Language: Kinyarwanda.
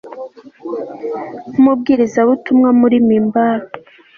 Nkumubwirizabutumwa muri mimbari